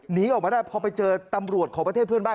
หนีออกมาได้พอไปเจอตำรวจของประเทศเพื่อนบ้าน